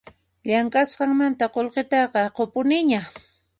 Llamk'asqanmanta qullqitaqa qunpuniña